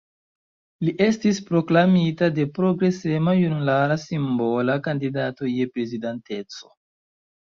Li estis proklamita de progresema junularo simbola kandidato je Prezidanteco.